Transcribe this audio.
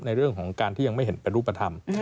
ในเรื่องของการที่ยังไม่เห็นเป็นรูปธรรม